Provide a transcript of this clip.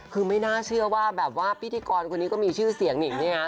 คือไม่น่าเชื่อว่าแบบว่าพิธีกรคนนี้ก็มีชื่อเสียงหิ่งนี่ฮะ